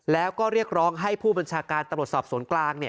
แล้วก็เรียกร้องให้ผู้บัญชาการตำรวจสอบสวนกลาง